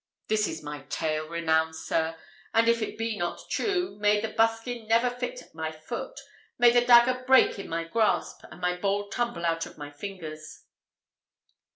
This is my tale, renowned sir; and if it be not true, may the buskin never fit my foot, may the dagger break in my grasp, and the bowl tumble out of my fingers!"